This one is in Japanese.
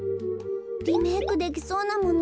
リメークできそうなもの